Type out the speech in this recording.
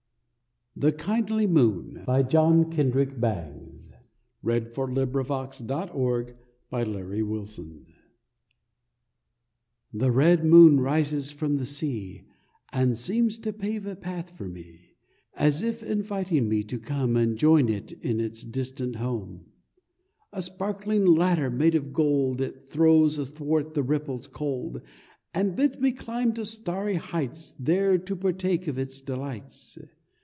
n which I threaten awful deeds, And mail them in the fire 1 [ 50] THE KINDLY MOON THE red moon rises from the sea And seems to pave a path for me, As if inviting me to come And join it in its distant home. A sparkling ladder made of gold It throws athwart the ripples cold, And bids me climb to starry heights There to partake of its delights.